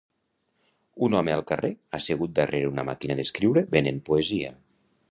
Un home al carrer, assegut darrere d'una màquina d'escriure, venent poesia